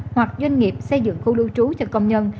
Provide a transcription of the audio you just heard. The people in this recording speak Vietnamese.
hoặc doanh nghiệp xây dựng khu lưu trú cho công nhân